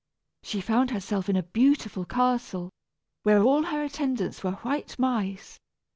She found herself in a beautiful castle, where all her attendants were white mice.